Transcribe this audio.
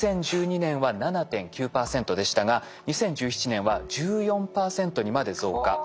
２０１２年は７．９％でしたが２０１７年は１４％にまで増加。